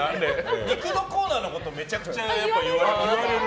肉のコーナーのことめちゃくちゃ言われますね。